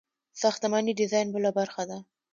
ساختماني ډیزاین بله برخه ده.